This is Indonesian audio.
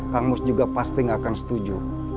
kang mus juga pasti gak akan setuju